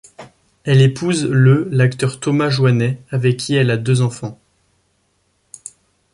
Elle épouse le l'acteur Thomas Jouannet avec qui elle a deux enfants.